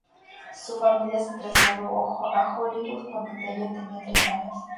Su familia se trasladó a Hollywood cuando ella tenía tres años.